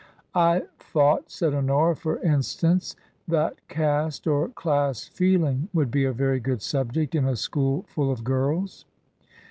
" I thought," said Honora, " for instance, that caste or class feeling would be a very good subject in a school full of girls."